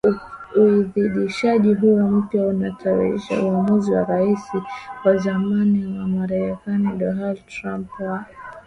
Uidhinishaji huo mpya unabatilisha uamuzi wa Raisi wa zamani wa Marekani Donald Trump wa